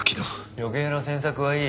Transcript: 余計な詮索はいい。